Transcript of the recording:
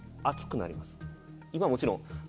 今もちろん。